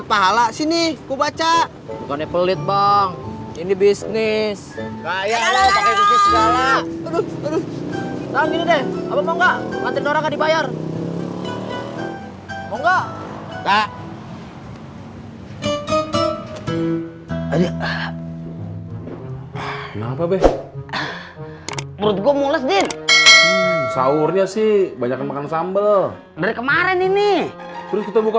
tes uang ukurannya sama semua